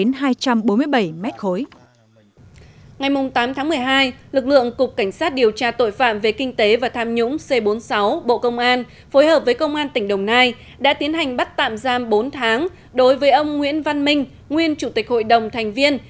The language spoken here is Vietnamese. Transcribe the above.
ngày tám tháng một mươi hai lực lượng cục cảnh sát điều tra tội phạm về kinh tế và tham nhũng c bốn mươi sáu bộ công an phối hợp với công an tỉnh đồng nai đã tiến hành bắt tạm giam bốn tháng đối với ông nguyễn văn minh nguyên chủ tịch hội đồng thành viên